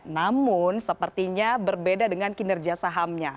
namun sepertinya berbeda dengan kinerja sahamnya